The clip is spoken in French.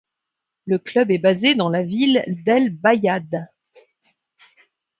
Le club est basé dans la ville d'El Bayadh.